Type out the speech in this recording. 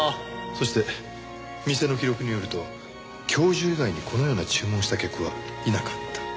そして店の記録によると教授以外にこのような注文をした客はいなかった。